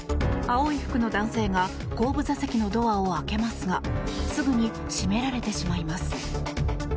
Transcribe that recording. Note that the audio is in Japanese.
青い服の男性が後部座席のドアを開けますがすぐに閉められてしまいます。